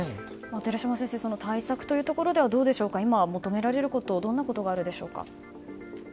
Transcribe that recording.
寺嶋先生対策というところでは今、求められることどんなことがあるでしょうか。